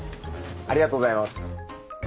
ありがとうございます。